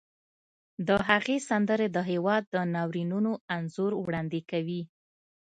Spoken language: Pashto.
د هغې سندرې د هېواد د ناورینونو انځور وړاندې کوي